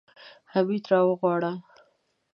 حميد راوغواړه.